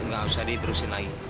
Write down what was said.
ga usah diterusin lagi